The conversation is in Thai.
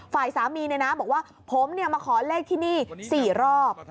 ฝ่ายสามีเนี่ยนะบอกว่าผมเนี่ยมาขอเลขที่นี่๔รอบ